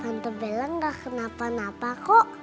tante bella yang bayang anjing cukup